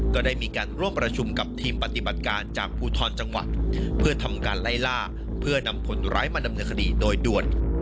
ก็ได้มีการร่วมประชุมกับทีมปฏิบัติการจากภูทรจังหวัดเพื่อทำการไล่ล่าเพื่อนำผลร้ายมาดำเนินคดีโดยด่วน